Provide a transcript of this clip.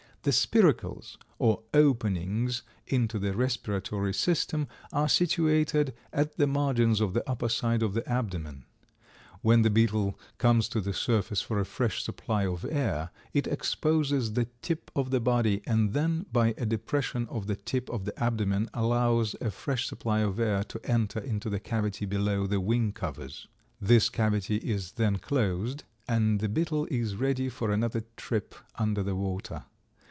The spiracles, or openings into the respiratory system, are situated at the margins of the upper side of the abdomen. When the beetle comes to the surface for a fresh supply of air it exposes the tip of the body and then by a depression of the tip of the abdomen allows a fresh supply of air to enter into the cavity below the wing covers; this cavity is then closed and the beetle is ready for another trip under the water.